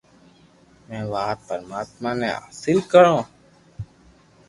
مين وات پرماتما ني حاصل ڪرو